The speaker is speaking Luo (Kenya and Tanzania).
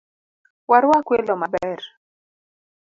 Warwak welo maber